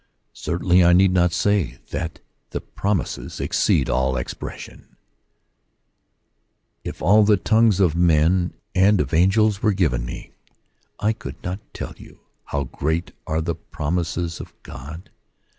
Certainly I need not say that the promises exceed all expression If all the tongues of men and of angels were given me, I could not tell you how great are the promises of God.